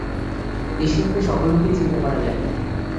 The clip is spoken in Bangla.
ঈশ্বরকে সকল রূপেই চিন্তা করা যায়।